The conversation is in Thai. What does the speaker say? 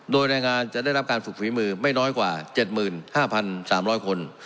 โดยแรงงานจะได้รับการฝึกฝีมือไม่น้อยกว่า๗๕๓๐๐คน